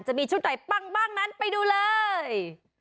จะมีชุดไตปั้งนั้นไปดูเลย